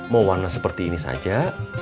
mau warna seperti ini saja